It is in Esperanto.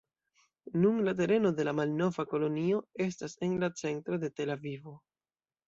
Nun, la tereno de la malnova kolonio estas en la centro de Tel-Avivo.